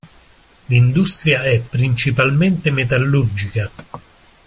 L'industria è principalmente metallurgica.